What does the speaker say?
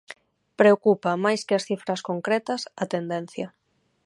Preocupa, máis que as cifras concretas, a tendencia.